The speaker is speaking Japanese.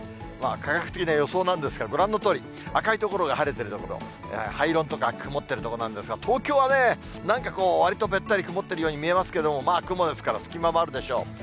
科学的な予想なんですけれども、ご覧のとおり、赤い所が晴れてる所、灰色の所が曇っている所なんですが、東京はなんか、わりとべったり曇ってるように見えますけれども、まあ雲ですから、隙間はあるでしょう。